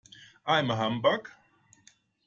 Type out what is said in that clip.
I am a humbug.